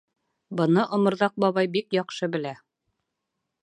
Быны Оморҙаҡ бабай бик яҡшы белә.